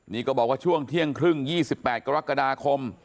นี่ก็บอกว่าช่วงเที่ยงครึ่ง๒๘กรกฎาคม